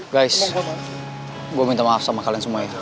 guys gue minta maaf sama kalian semua ya